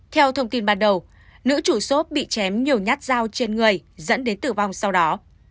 theo thông tin ban đầu nữ chủ xốp bị chém nhiều nhát dao trên người dẫn đến tử vong sau đó